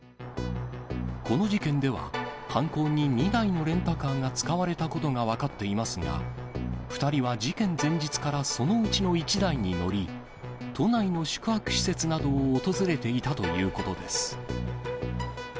この事件では、犯行に２台のレンタカーが使われたことが分かっていますが、２人は事件前日からそのうちの１台に乗り、都内の宿泊施設などを訪れていたということです。